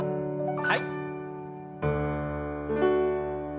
はい。